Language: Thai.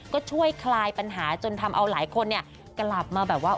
ก็ช่วยคลายปัญหาจนทำเอาหลายคนเนี่ยกลับมาแบบว่า